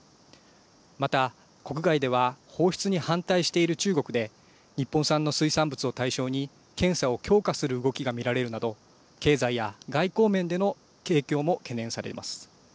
また国外では放出に反対している中国で日本産の水産物を対象に検査を強化する動きが見られるなど経済や外交面での影響も懸念されます。